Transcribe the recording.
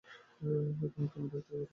তোমাকে আমি ডাক্তারের কাছে নিয়ে যাব।